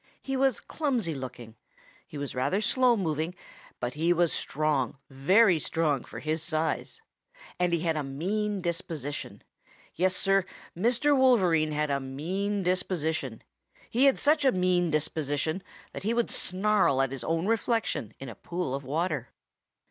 He was clumsy looking. He was rather slow moving, but he was strong, very strong for his size. And he had a mean disposition. Yes, Sir, Mr. Wolverine had a mean disposition. He had such a mean disposition that he would snarl at his own reflection in a pool of water.